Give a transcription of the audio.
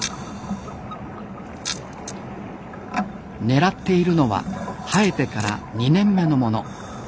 狙っているのは生えてから２年目のもの。